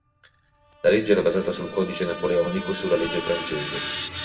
La legge era basata sul Codice napoleonico e sulla legge francese.